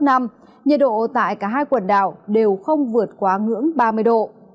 nhiệt độ tại cả hai quần đảo đều không vượt quá ngưỡng ba mươi độ